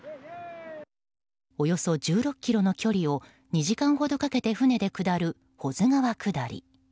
およそ１６ｋｍの距離を２時間ほどかけて船で下る保津川下り。